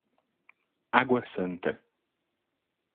Água Santa